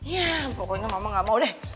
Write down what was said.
ya pokoknya ngomong gak mau deh